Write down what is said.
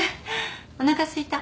おなかすいた。